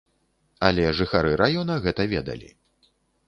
Але жыхары раёна гэта ведалі.